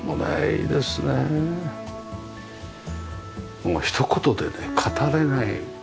もうひと言でね語れない。